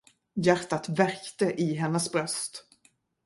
Hjärtat värkte i hennes bröst.